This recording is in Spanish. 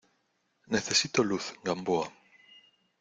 necesito luz, Gamboa.